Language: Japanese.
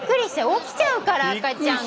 起きちゃうから赤ちゃんが。